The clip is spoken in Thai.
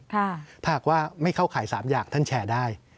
ถ้าหากว่าไม่เข้าข่าย๓อย่างท่านแชร์ได้